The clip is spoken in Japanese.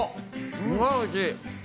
すごいおいしい！